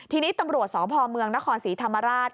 ทีนี้ตำรวจสพเมืองนครศรีธรรมราช